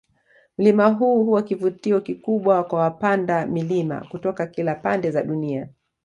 Mlima huu huwa kivutio kikubwa kwa wapanda milima kutoka kila pande za dunia